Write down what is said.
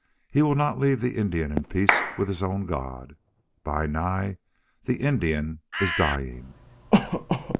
He will not leave the Indian in peace with his own God!... Bi Nai, the Indian is dying!"